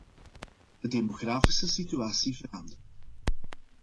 De demografische situatie verandert.